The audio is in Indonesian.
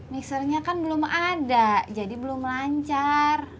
mixernya kan belum ada jadi belum lancar